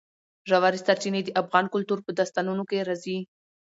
ژورې سرچینې د افغان کلتور په داستانونو کې راځي.